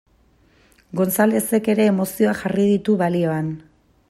Gonzalezek ere emozioak jarri ditu balioan.